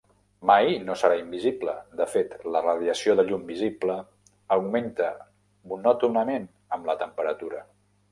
Mai no serà invisible; de fet, la radiació de llum visible augmenta monòtonament amb la temperatura.